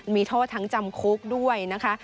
มีโทษทั้งจำคุกด้วยนะคะ